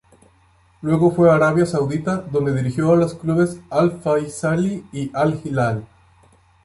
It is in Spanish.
Luego fue a Arabia Saudita donde dirigió a los clubes Al-Faisaly y Al-Hilal.